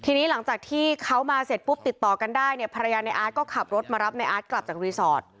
ทีนี้หลังจากที่เขามาเสร็จปุ๊บติดต่อกันได้เนี่ยภรรยาในอาร์ตก็ขับรถมารับในอาร์ตกลับจากรีสอร์ท